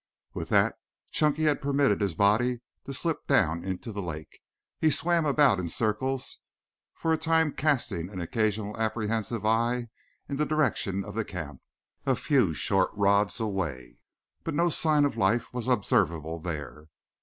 With that Chunky had permitted his body to slip down into the lake. He swam about in circles, for a time casting an occasional apprehensive eye in the direction of the camp, a short few rods away, but no sign of life was observable there.